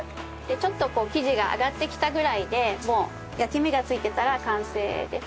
ちょっとこう生地が上がってきたぐらいでもう焼き目が付いてたら完成です。